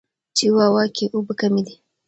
چیواوا کې اوبه کمې دي.